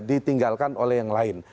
ditinggalkan oleh yang lain